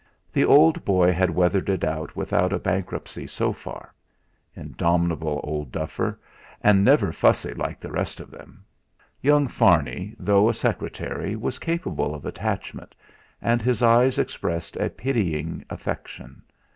The old boy had weathered it out without a bankruptcy so far. Indomitable old buffer; and never fussy like the rest of them! Young Farney, though a secretary, was capable of attachment; and his eyes expressed a pitying affection.